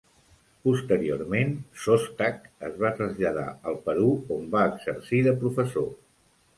Posteriorment, Sostak es va traslladar al Perú on va exercir de professor.